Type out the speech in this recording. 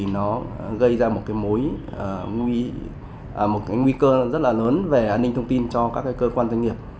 nó gây ra một mối một nguy cơ rất là lớn về an ninh thông tin cho các cơ quan doanh nghiệp